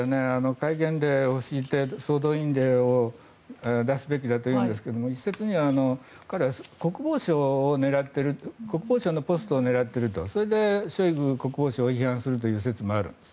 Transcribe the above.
戒厳令を敷いて、総動員令を出すべきだと言うんですが一説には彼は国防相のポストを狙っているそれでショイグ国防相を批判するという説もある。